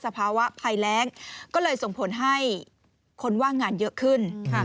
ธรรมชาติสภาวะภัยแล้งก็เลยส่งผลให้คนว่างงานเยอะขึ้น